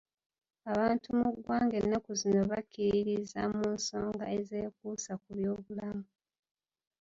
Abantu mu ggwanga ennaku zino bakkiririza mu nsonga ezeekuusa ku by'obulamu.